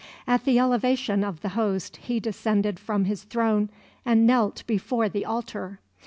At the elevation of the Host he descended from his throne and knelt before the altar.